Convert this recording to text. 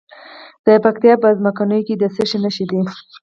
د پکتیا په څمکنیو کې د څه شي نښې دي؟